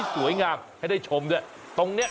สวยจังอ่า